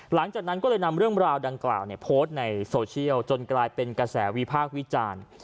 หลังจากนั้นก็เลยนำเรื่องราวดังกล่าวโพสต์ในโซเชียลจนกลายเป็นกระแสวิพากษ์วิจารณ์